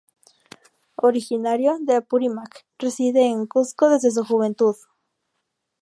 Originario de Apurímac, reside en Cusco desde su juventud.